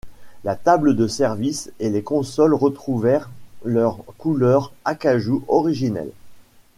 La table de service et les consoles retrouvèrent leur couleur acajou originelle.